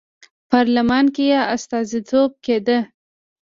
په پارلمان کې یې استازیتوب کېده.